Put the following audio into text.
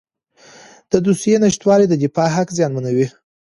د دوسیې نشتوالی د دفاع حق زیانمنوي.